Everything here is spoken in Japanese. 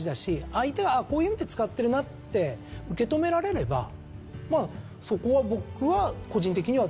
相手はこういう意味で使ってるなって受け止められればまあそこは僕は個人的にはつつこうとは思わないですね